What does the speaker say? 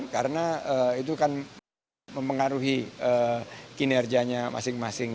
karena itu akan mempengaruhi kinerjanya masing masing